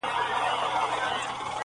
ستا سي کلی شپو خوړلی -